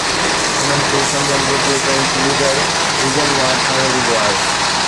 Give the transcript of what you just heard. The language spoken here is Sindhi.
انهن کي سمجهڻ گهرجي ته هڪ ليڊر وژن مان ٺاهيو ويندو آهي.